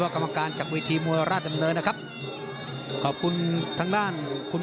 อ๋อกรรมการไปได้ไปได้ต้องเตะต้องต่อยอรุณต้องออกเยือนทั้งที่หนึ่ง